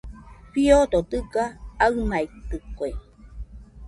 Fiodo dɨga aɨmaitɨkue.